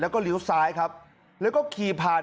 แล้วก็เลี้ยวซ้ายครับแล้วก็ขี่ผ่าน